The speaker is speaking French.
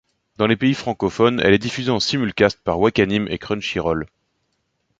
Dans les pays francophones, elle est diffusée en simulcast par Wakanim et Crunchyroll.